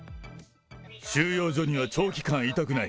収容所には長期間いたくない。